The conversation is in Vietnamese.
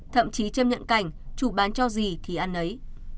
thậm chí châm nhận cảnh chủ bán cho gì thì ăn ấy